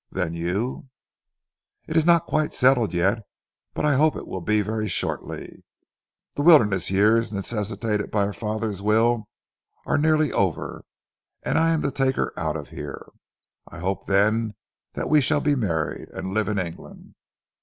"Then you " "It is not quite settled yet, but I hope it will be very shortly. The wilderness years necessitated by her father's will are nearly over, and I am to take her 'out' from here. I hope then that we shall be married, and live in England."